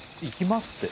行きます。